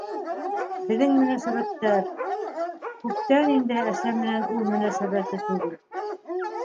Беҙҙең мөнәсәбәттәр... күптән инде әсә менән ул мөнәсәбәте түгел.